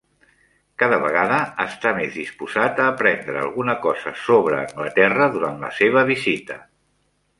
Cada vegada està més disposat a aprendre alguna cosa sobre Anglaterra durant la seva visita.